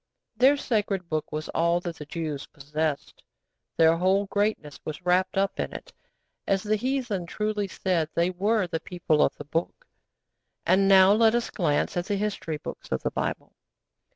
Their Sacred Book was all that the Jews possessed. Their whole greatness was wrapped up in it. As the heathen truly said, they were 'The People of the Book.' And now let us glance at the history books of the Bible.